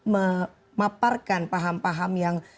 memaparkan paham paham yang